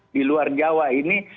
di luar jawa ini